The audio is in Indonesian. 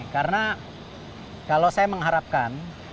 karena kalau saya mengharapkan